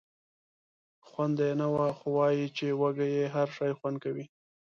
خونده یې نه وه خو وایي چې وږی یې هر شی خوند کوي.